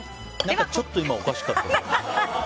ちょっと今おかしかったですよね。